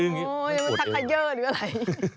นี่มันก็ชักไขเชอร์หรืออะไร